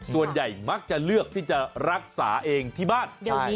ส่วนใหญ่มักจะเลือกที่จะรักษาเองที่บ้าน